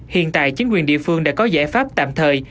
hiện tại chính quyền địa phương đã có giải pháp tạm thời